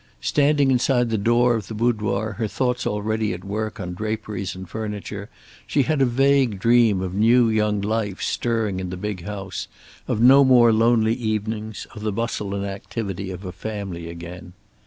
Standing inside the door of the boudoir, her thoughts already at work on draperies and furniture, she had a vague dream of new young life stirring in the big house, of no more lonely evenings, of the bustle and activity of a family again.